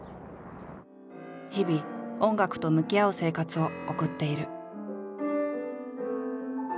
日々音楽と向き合う生活を送っている。